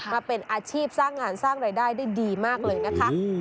มาเป็นอาชีพสร้างงานสร้างรายได้ได้ดีมากเลยนะคะ